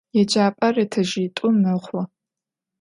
Yêcap'er etajjit'u mexhu.